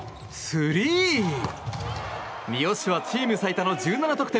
三好はチーム最多の１７得点！